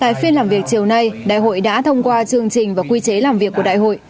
tại phiên làm việc chiều nay đại hội đã thông qua chương trình và quy chế làm việc của đại hội